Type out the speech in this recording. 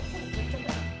gunting kaki dan kabel